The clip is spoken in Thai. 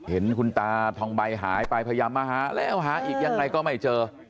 เห็นคุณตาทองใบหายไปพยายามมาหาแล้วหาอีกยังไงก็ไม่เจอ